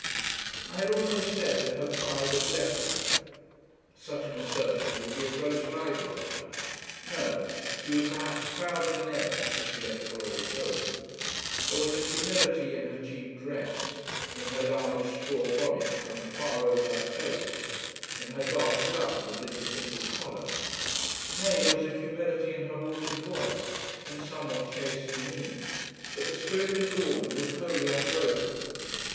I had almost said that her pride had left her. Such an assertion would be a gross libel on her. No; she was perhaps prouder than ever, as she left her old home. There was a humility in her cheap dress, in her large straw bonnet coming far over her face, in her dark gloves and little simple collar; nay, there was a humility in her altered voice, and somewhat chastened mien; but the spirit of the woman was wholly unbroken.